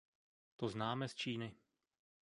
To známe z Číny.